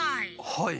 はい。